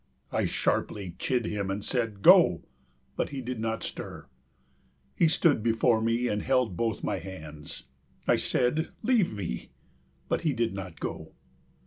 I sharply chid him, and said "Go!"; but he did not stir. He stood before me and held both my hands. I said, "Leave me!"; but he did not go.